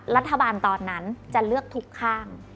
รัฐบาลตอนนั้นจะเลือกทุกข้าง